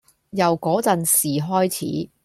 由嗰陣時開始